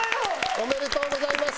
おめでとうございます。